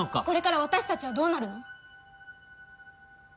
これから私たちはどうなるの？